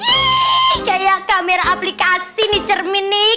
ini kayak kamera aplikasi nih cermin nih